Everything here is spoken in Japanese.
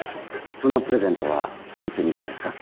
そのプレゼントはいつ見たんですか？